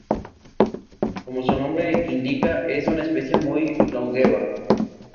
Como su nombre indica, es una especie muy longeva.